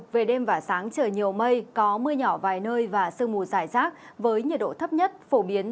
về đêm và sáng trời nhiều mây có mưa nhỏ vài nơi và sương mù dài rác với nhiệt độ thấp nhất phổ biến